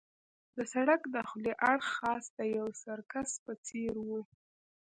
د سړک دخولي اړخ خاص د یوه سرکس په څېر وو.